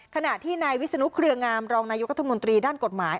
ขณะที่ในวิสุนุกเครื่องามรองนายุข้อมูลตรีด้านกฎหมาย